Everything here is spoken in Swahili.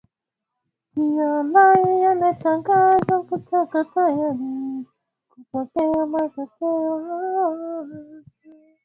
ndiyo ambayo yametangazwa kutokuwa tayari kupokea matokeo hayo